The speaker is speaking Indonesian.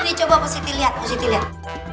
ini coba mbak siti lihat mbak siti lihat